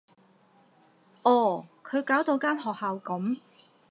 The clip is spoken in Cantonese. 哦，佢搞到間學校噉